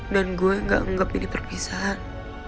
dan gue gak anggap ini perpisahan